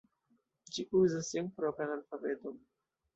Ĝi uzas sian propran alfabeton.